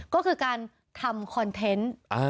ก็คือการทำคอนเทนต์